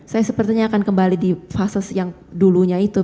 saya sepertinya akan kembali di fase yang dulunya itu